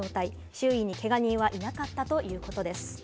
周囲にけが人はいなかったということです。